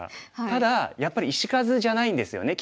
ただやっぱり石数じゃないんですよね